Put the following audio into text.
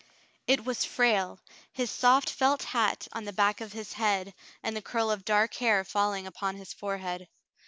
It was Frale, his soft felt hat on the back of his head Frale's Confession 37 and the curl of dark hair falHng upon his forehead.